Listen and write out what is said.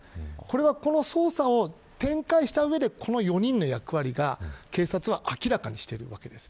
この捜査を展開した上でこの４人の役割を警察は明らかにしているわけです。